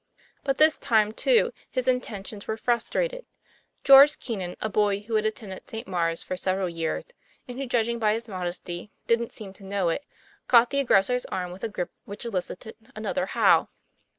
But this time, too, his inten tions were frustrated. George Keenan, a boy who had attended St. Maure's for several years, and who, judging by his modesty, didn't seem to know it, caught the aggressor's arm with a grip which elicited another howl.